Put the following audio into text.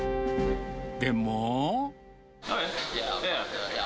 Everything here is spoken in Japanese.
でも。